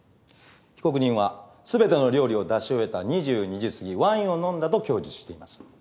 被告人は全ての料理を出し終えた２２時すぎワインを飲んだと供述しています。